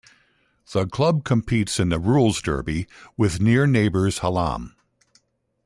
The club competes in the Rules derby with near neighbours Hallam.